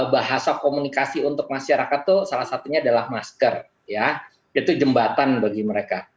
bahasa komunikasi untuk masyarakat itu salah satunya adalah masker ya itu jembatan bagi mereka